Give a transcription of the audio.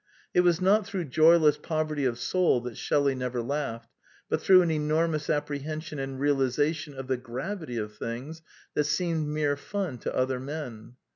It was not through joyless poverty of soul that Shelley never laughed, but through an enormous apprehension and realization of the gravity of things that seemed mere fun to other men.